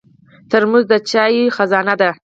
ترموز د چایو خزانه ده.